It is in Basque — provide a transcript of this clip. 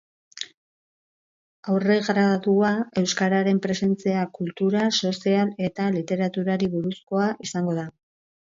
Aurregradua euskararen presentzia kultural, sozial eta literaturari buruzkoa izango da.